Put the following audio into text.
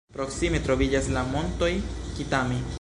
Proksime troviĝas la Montoj Kitami.